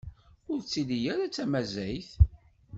Ur ttili ara d tamaẓayt.